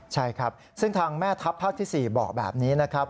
ใช่ครับซึ่งทางแม่ทัพภาคที่๔บอกแบบนี้นะครับ